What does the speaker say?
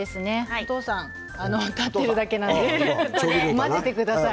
お父さん、立っているだけなので混ぜてください